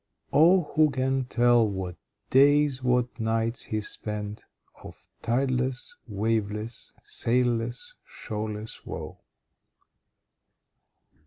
"O who can tell what days, what nights he spent, Of tideless, waveless, sailless, shoreless woe."